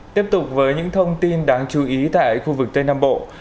tiếp tục với những thông tin đáng chú ý tại khu vực tây nam bộ